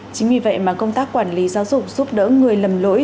chính vì vậy mà công tác quản lý giáo dục giúp đỡ người lầm lỗi